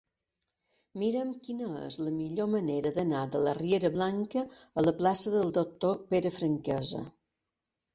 Mira'm quina és la millor manera d'anar de la riera Blanca a la plaça del Doctor Pere Franquesa.